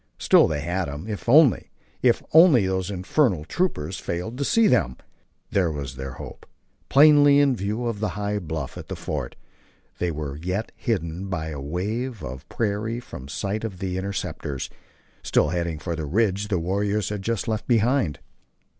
Still they had him, if only, if only those infernal troopers failed to see them. There was their hope! Plainly in view of the high bluff at the fort, they were yet hidden by a wave of the prairie from sight of the interceptors, still heading for the ridge the warriors had just left behind.